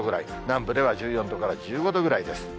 南部では１４度から１５度ぐらいです。